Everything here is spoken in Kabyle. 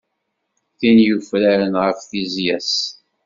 Tin yufraren ɣef tizya-s.